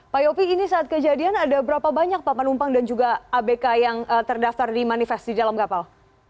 pak yopi ini saat kejadian ada berapa banyak pak penumpang dan juga abk yang terdaftar di manifest di dalam kapal